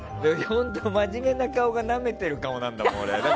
真面目な顔がなめてる顔なんだもん、俺。